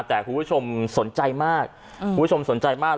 แต่คุณผู้ชมสนใจมาก